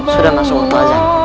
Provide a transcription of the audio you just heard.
sudah masuk otot aja